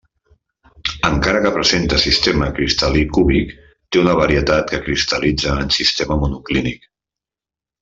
Encara que presenta sistema cristal·lí cúbic té una varietat que cristal·litza en sistema monoclínic.